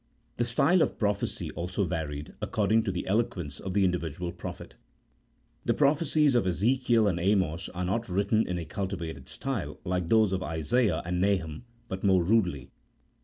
The style of the prophecy also varied according to the eloquence of the individual prophet. The prophecies of Ezekiel and Amos are not written in a cultivated style like those of Isaiah and Nahum, but more rudely.